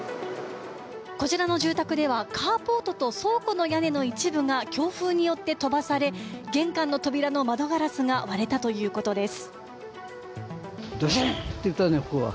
こちらの住宅ではカーポートと倉庫の屋根の一部が強風によって飛ばされ玄関の扉の窓ガラスが割れたということです。